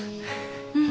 うん。